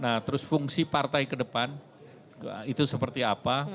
nah terus fungsi partai ke depan itu seperti apa